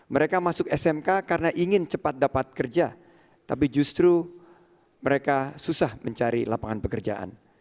mereka masuk smk karena ingin cepat dapat kerja tapi justru mereka susah mencari lapangan pekerjaan